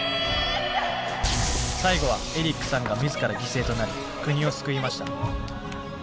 最後はエリックさんが自ら犠牲となり国を救いました。